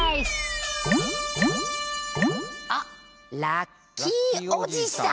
あっ「ラッキーおじさん」。